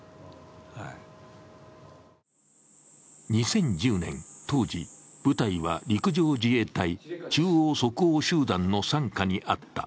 ２０１０４年当時、部隊は陸上自衛隊中央即応集団の傘下にあった。